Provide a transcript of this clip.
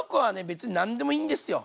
別になんでもいいんですよ